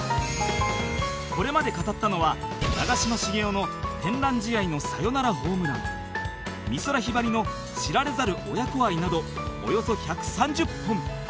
これまで語ったのは長嶋茂雄の天覧試合のサヨナラホームラン美空ひばりの知られざる親子愛などおよそ１３０本